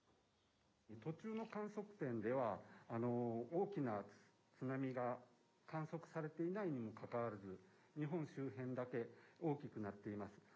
途中の観測点では、大きな津波が観測されていないにもかかわらず、日本周辺だけ大きくなっています。